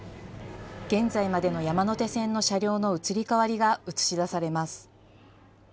現在までの山手線の車両の移り変わりが映し出されます。